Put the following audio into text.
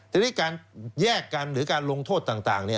ทีนี้การแยกกันหรือการลงโทษต่าง